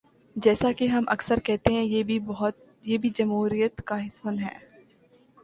جیسا کہ ہم اکثر کہتے ہیں، یہ بھی جمہوریت کا حسن ہے۔